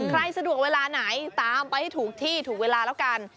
สะดวกเวลาไหนตามไปให้ถูกที่ถูกเวลาแล้วกัน